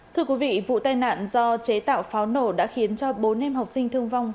thưa quý vị vụ tai nạn do chế tạo pháo nổ đã khiến cho bốn em học sinh thương vong